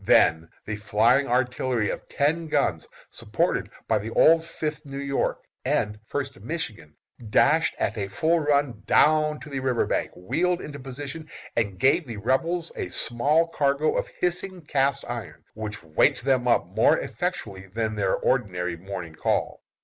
Then the flying artillery of ten guns, supported by the old Fifth New York and First Michigan, dashed at a full run down to the river bank, wheeled into position, and gave the Rebels a small cargo of hissing cast iron, which waked them up more effectually than their ordinary morning call.